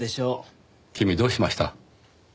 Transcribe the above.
君どうしました？